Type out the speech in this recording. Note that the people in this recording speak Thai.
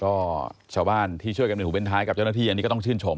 ก็ชาวบ้านที่ช่วยกันเป็นหูเป็นท้ายกับเจ้าหน้าที่อันนี้ก็ต้องชื่นชม